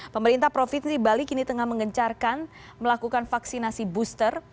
pemerintah provinsi bali kini tengah mengencarkan melakukan vaksinasi booster